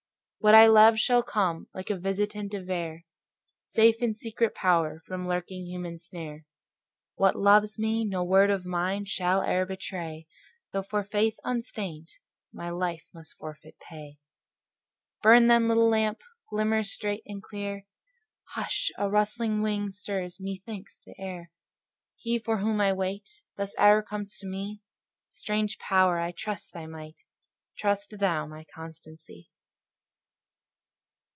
What I love shall come like visitant of air, Safe in secret power from lurking human snare; What loves me, no word of mine shall e'er betray, Though for faith unstained my life must forfeit pay Burn, then, little lamp; glimmer straight and clear Hush! a rustling wing stirs, methinks, the air: He for whom I wait, thus ever comes to me; Strange Power! I trust thy might; trust thou my constancy.